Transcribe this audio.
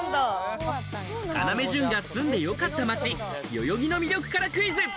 要潤が住んでよかった街、代々木の魅力からクイズ。